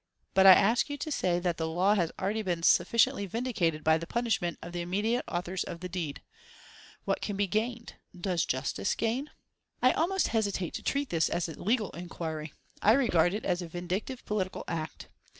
But I ask you to say that the law has already been sufficiently vindicated by the punishment of the immediate authors of the deed. What can be gained? Does justice gain? "I almost hesitate to treat this as a legal inquiry. I regard it as a vindictive political act.